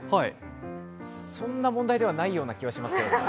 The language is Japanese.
そんな問題ではないような気がしますが。